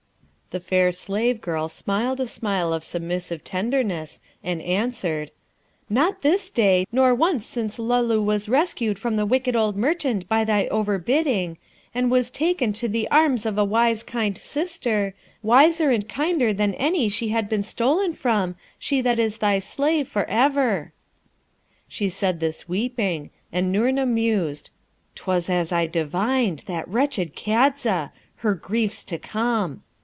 The fair slave girl smiled a smile of submissive tenderness, and answered, 'Not this day, nor once since Luloo was rescued from the wicked old merchant by thy overbidding, and was taken to the arms of a wise kind sister, wiser and kinder than any she had been stolen from, she that is thy slave for ever.' She said this weeping, and Noorna mused, ''Twas as I divined, that wretched Kadza: her grief 's to come!'